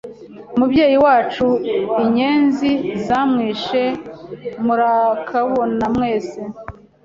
Umubyeyi wacu Inyenzi zamwishe murakabona mwese,